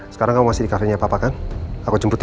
sekarang kamu masih di kafenya papa kan aku jemput ya